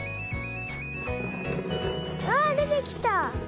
あでてきた！